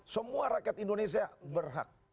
semua rakyat indonesia berhak